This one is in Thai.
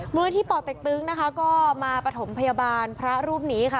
มนุษย์ที่ป่อเต็กตึ๊งนะคะก็มาประถมพยาบาลพระรูปนี้ค่ะ